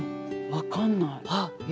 分かんない。